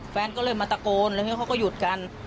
แฟนก็เลยมาตะโกนแล้วเขาก็หยุดกัน